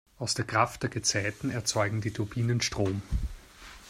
Aus der Kraft der Gezeiten erzeugen die Turbinen Strom.